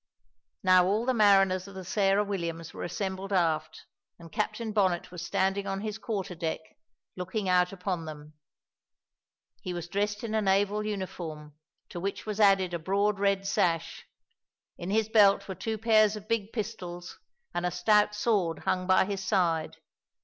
Now all the mariners of the Sarah Williams were assembled aft and Captain Bonnet was standing on his quarter deck, looking out upon them. He was dressed in a naval uniform, to which was added a broad red sash. In his belt were two pairs of big pistols, and a stout sword hung by his side.